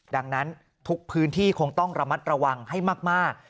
ดังนั้นทุกพื้นที่คงต้องระมัดระวังให้มาก